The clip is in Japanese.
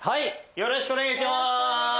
よろしくお願いします！